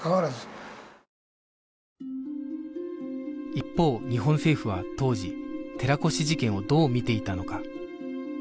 一方日本政府は当時寺越事件をどうみていたのか